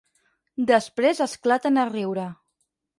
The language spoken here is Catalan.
Després esclaten a riure.